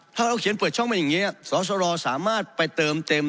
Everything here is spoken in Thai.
ถ้าเราเขียนเปิดช่องเป็นอย่างนี้สรสามารถไปเติมเต็ม